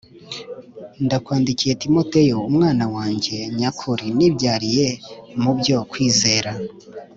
ndakwandikiye Timoteyo, umwana wanjye nyakuri nibyariye mu byo kwizera.